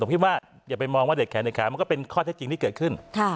พี่ว่าอย่าไปมองว่าเด็กแขนเด็กขามันก็เป็นข้อเท็จจริงที่เกิดขึ้น